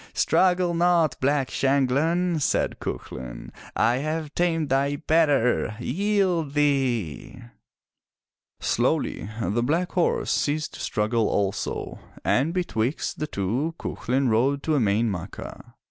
"Struggle not. Black Shanghlan,*' said Cuchulain. "I have tamed thy better ! Yield thee !'' Slowly the black horse ceased to struggle also, and betwixt the two Cuchulain rode to Emain Macha.